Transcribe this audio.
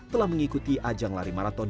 telah mengikuti ajang lari maraton